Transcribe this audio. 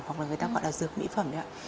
hoặc là người ta gọi là dược mỹ phẩm đấy ạ